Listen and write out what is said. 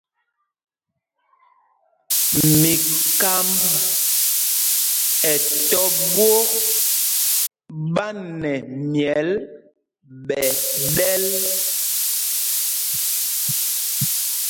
Mikámb ɛ tɔ̄ ɓwôk ɓá nɛ myɛl ɓɛ̌ ɗɛ́l.